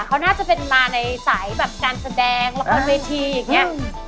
เขาน่าจะเป็นมาในสายแบบการแสดงละครเวทีอย่างนี้